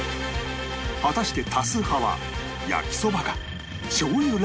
果たして多数派は焼きそばかしょう油ラーメンか？